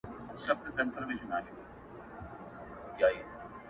• یارانه پر میدان ختمه سوه بې پته ,